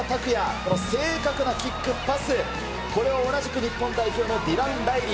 この正確なキックパス、これを同じく日本代表のディラン・ライリー。